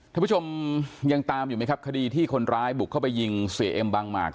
ท่านผู้ชมยังตามอยู่ไหมครับคดีที่คนร้ายบุกเข้าไปยิงเสียเอ็มบางหมาก